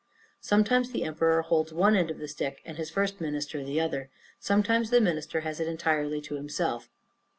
Sometimes the emperor holds one end of the stick, and his first minister the other; sometimes the minister has it entirely to himself.